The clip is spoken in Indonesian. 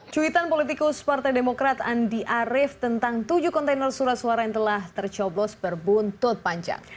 cuitan politikus partai demokrat andi arief tentang tujuh kontainer surat suara yang telah tercoblos berbuntut panjang